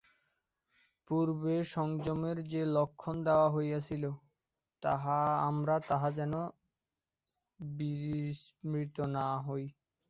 পূর্বে সংযমের যে লক্ষণ দেওয়া হইয়াছে, আমরা তাহা যেন বিস্মৃত না হই।